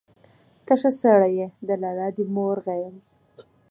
ته ښه سړى يې، د لالا دي مور غيم.